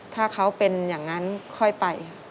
ถ้าเขาเป็นอย่างนั้นค่อยไป